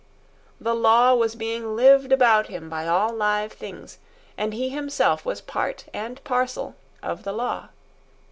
The law was being lived about him by all live things, and he himself was part and parcel of the law.